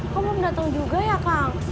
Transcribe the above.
kamu belum datang juga ya kang